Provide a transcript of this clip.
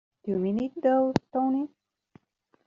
Do you mean it though, Tony?